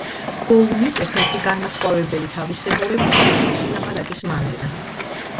გოლუმის ერთ-ერთი განმასხვავებელი თავისებურება არის მისი ლაპარაკის მანერა.